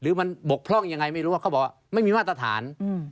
หรือมันบกพร่องยังไงไม่รู้ว่าเขาบอกว่าไม่มีมาตรฐาน